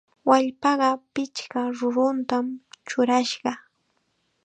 Wallpaqa pichqa rurutam churashqa.